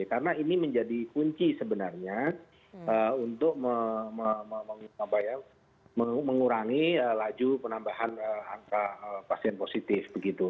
karena ini menjadi kunci sebenarnya untuk mengurangi laju penambahan angka pasien positif begitu